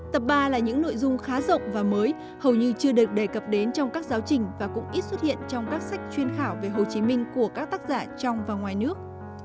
tập ba là những nội dung khá rộng và mới hầu như chưa được đề cập đến trong các giáo trình và cũng ít xuất hiện trong các sách chuyên khảo về hồ chí minh của các tác giả trong và ngoài nước